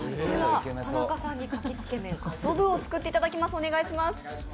田中さんに、牡蠣つけ麺ａｓｏｂｕを作っていただきます。